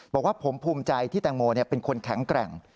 บอกว่าผมภูมิใจที่แตงโมเป็นคนแข็งแกร่ง